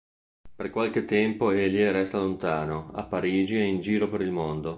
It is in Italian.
Per qualche tempo Elie resta lontano, a Parigi e in giro per il mondo.